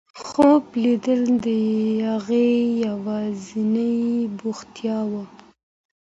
خوب لیدل د هغې یوازینۍ بوختیا وه.